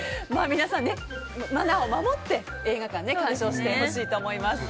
皆さん、マナーを守って映画館で鑑賞してほしいと思います。